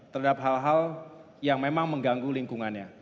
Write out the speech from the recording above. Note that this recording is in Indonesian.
terhadap hal hal yang memang mengganggu lingkungannya